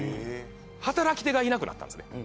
働き手がいなくなったんですね。